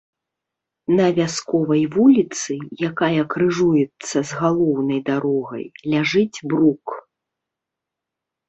На вясковай вуліцы, якая крыжуецца з галоўнай дарогай, ляжыць брук.